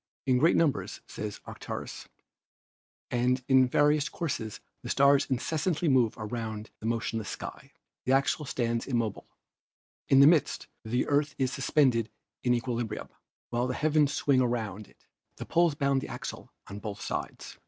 " Tn great numbers/ says Aratus, 'and in various courses the stars incessantly move around the motionless skies. The axle stands immovable. In the midst the Earth is suspended in equilibrium, while the heavens swing around it. The poles bound the axle on both sides.